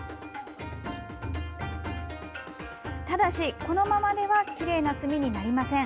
ただし、このままではきれいな墨になりません。